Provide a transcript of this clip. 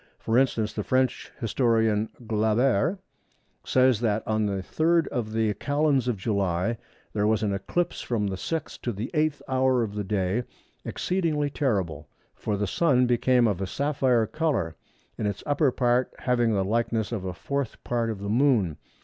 For instance, the French historian, Glaber, says that "on the 3rd of the Calends of July there was an eclipse from the sixth to the eighth hour of the day exceedingly terrible. For the Sun became of a sapphire colour; in its upper part having the likeness of a fourth part of the Moon."